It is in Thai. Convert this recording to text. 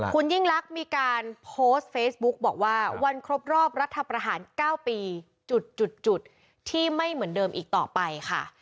คุณยิ่งลักษณ์มีการโพสต์เฟซบุ๊กบอกว่าวันครบรอบรัฐประหาร๙ปีจุดที่ไม่เหมือนเดิมอีกต่อไปค่ะ